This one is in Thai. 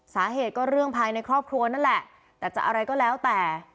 สาเหตุก็เรื่องภายในครอบครัวนั่นแหละแต่จะอะไรก็แล้วแต่